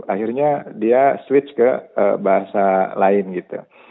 akhirnya dia switch ke bahasa lain gitu